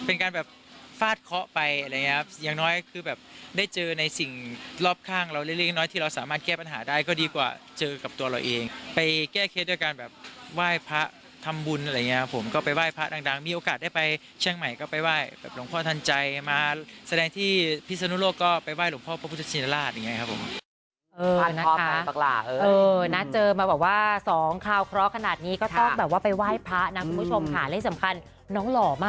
โอ้ยยยยฝ่าเมียมาเลยอ่ะ